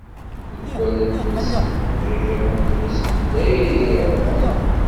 Deg wallen-nsen ajajiḥ n tmes n tayri i ireqqen.